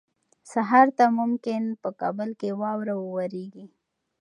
سهار ته ممکن په کابل کې واوره ووریږي.